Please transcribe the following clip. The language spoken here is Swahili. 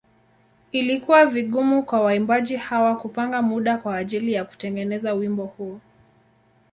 Ilikuwa vigumu kwa waimbaji hawa kupanga muda kwa ajili ya kutengeneza wimbo huu.